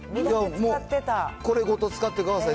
もうこれごと使ってください。